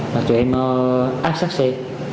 và tụi em áp sát xe